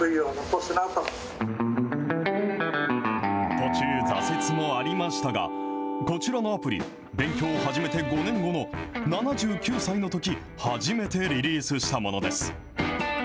途中、挫折もありましたが、こちらのアプリ、勉強を始めて５年後の７９歳のとき、初めてリリースしたものです。